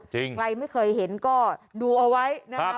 ใครไม่เคยเห็นก็ดูเอาไว้นะครับ